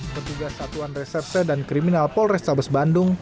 petugas atuan reserse dan kriminal polresta bes bandung